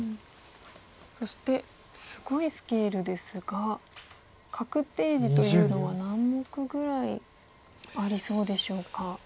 そしてすごいスケールですが確定地というのは何目ぐらいありそうでしょうか？